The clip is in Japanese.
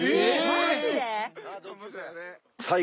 マジで？